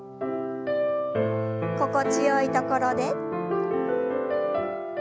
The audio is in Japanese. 心地よいところで。